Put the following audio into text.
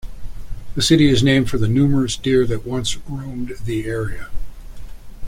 The city is named for the numerous deer that once roamed the area.